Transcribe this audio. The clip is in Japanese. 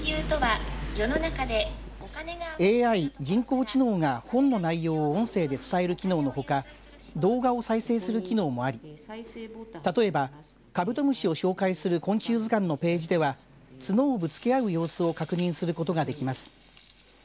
ＡＩ、人工知能が本の内容を音声で伝える機能のほか動画を再生する機能もあり例えば、カブトムシを紹介する昆虫図鑑のページでは角をぶつけ合う様子を確認することができます。